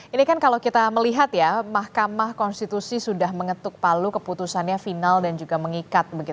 ini kan kalau kita melihat ya mahkamah konstitusi sudah mengetuk palu keputusannya final dan juga mengikat